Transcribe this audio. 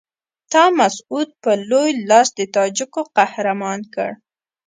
تا مسعود په لوی لاس د تاجکو قهرمان کړ.